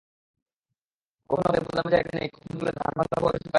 কখনো বলে গুদামে জায়গা নেই, কখনো বলে ধান ভালোভাবে শুকানো হয়নি।